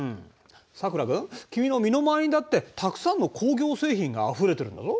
さくら君君の身の回りにだってたくさんの工業製品があふれてるんだぞ。